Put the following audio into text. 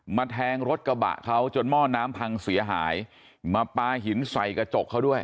แทงรถกระบะเขาจนหม้อน้ำพังเสียหายมาปลาหินใส่กระจกเขาด้วย